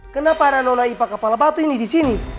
kenapa ada nona ipa kepala batu ini disini